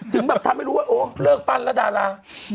ถึงแบบทำให้รู้ว่าโอ้เลิกปั้นแล้วดารา